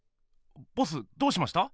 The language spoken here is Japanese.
ボスどうしました？